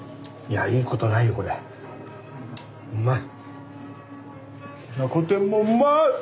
うまい！